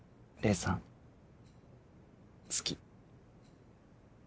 黎さん好き